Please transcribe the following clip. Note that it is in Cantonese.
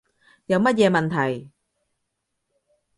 有乜嘢問題